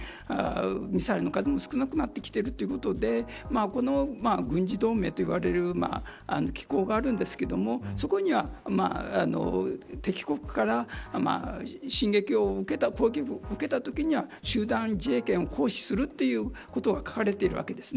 ミサイルの数も少なくなってきているということでこの軍事同盟といわれる機構があるんですけれどもそこには、敵国から進撃を受けたときには攻撃を受けたときには集団自衛権を行使するということが書かれているわけです。